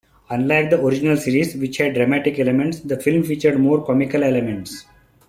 Unlike the original series, which had dramatic elements, the film featured more comical elements.